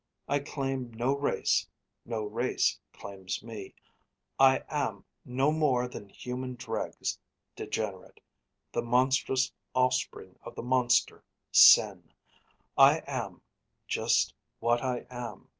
I claim no race, no race claims me; I am No more than human dregs; degenerate; The monstrous offspring of the monster, Sin; I am just what I am....